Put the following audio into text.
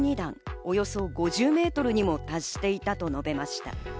およそ５０ｍにも達していたと述べました。